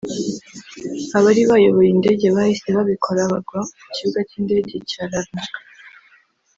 Abari bayoboye indege bahise babikora bagwa ku kibuga cy’indege cya Larnaca